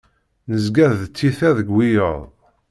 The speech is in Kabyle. Nezga d tiyita deg wiyaḍ.